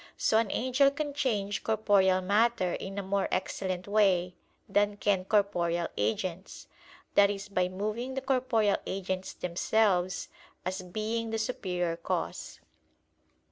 So an angel can change corporeal matter in a more excellent way than can corporeal agents, that is by moving the corporeal agents themselves, as being the superior cause.